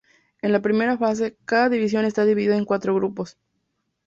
En la primera fase, cada división está dividida en cuatro grupos.